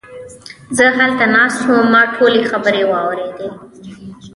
زه هلته ناست وم، ما ټولې خبرې واوريدې!